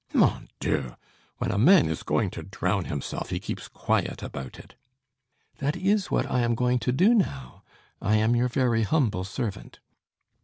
Mon Dieu! When a man is going to drown himself, he keeps quiet about it " "That is what I am going to do now. I am your very humble servant."